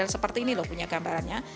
seperti ini loh punya gambarannya